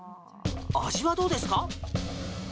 味はどうですか？